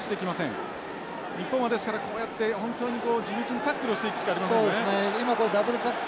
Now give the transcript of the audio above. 日本はですからこうやって本当に地道にタックルをしていくしかありませんね。